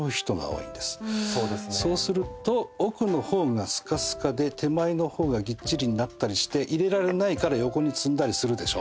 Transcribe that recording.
そうすると奥の方がすかすかで手前の方がぎっちりになったりして入れられないから横に詰んだりするでしょ。